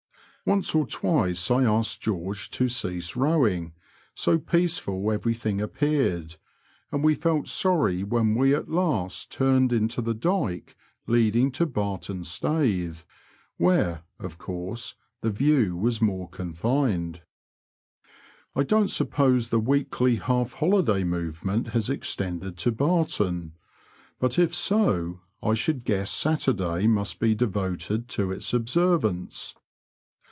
Once or twice I asked George to cease rowing, so peaceful every thing appeared, and we felt sorry when we at last turned into the dyke leading to Barton Staithe, where, of course, the view was more confined. I don't suppose the weekly half holiday movement has extended to Barton, but if so, I should guess Saturday must be devoted to its observance.